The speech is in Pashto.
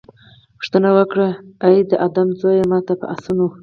پوښتنه وکړي چې اې د آدم زويه! ما ته په آسونو